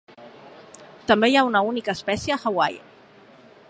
També hi ha una única espècie a Hawaii.